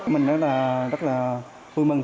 mình rất là vui mừng